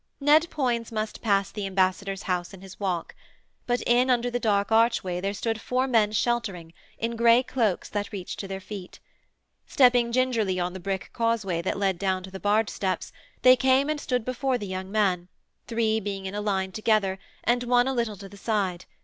Ned Poins must pass the ambassador's house in his walk, but in under the dark archway there stood four men sheltering, in grey cloaks that reached to their feet. Stepping gingerly on the brick causeway that led down to the barge steps, they came and stood before the young man, three being in a line together and one a little to the side.